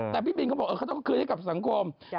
แต่พี่บินเขาบอกเขาต้องคืนให้กับสังคม